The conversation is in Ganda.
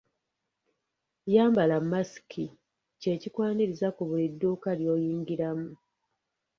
"""Yambala masiki"" kye kikwaniriza ku buli dduuka lw'oyingira mu ."